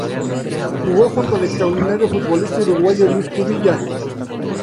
Jugó junto al extraordinario futbolista uruguayo Luis Cubilla.